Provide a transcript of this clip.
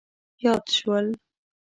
یاد شول.